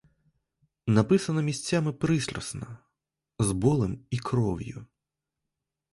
Написано місцями пристрасно, з болем і кров'ю.